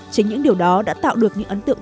chính những điều đó đã tạo được những ấn tượng